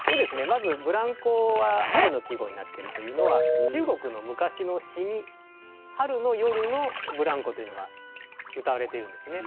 まずぶらんこは春の季語になってるというのは中国の昔の詩に春の夜のぶらんこというのが歌われているんですね。